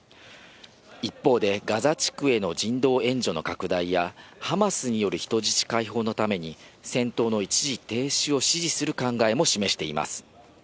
一方で、ガザ地区への人道援助の拡大や、ハマスによる人質解放のために、戦闘の一時停止を指示する考えも示しています。